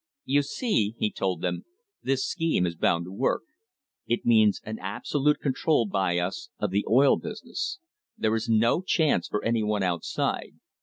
"You see," he told them, "this scheme is bound to work. It means an absolute control by us of the oil business. There is no chance for anyone outside.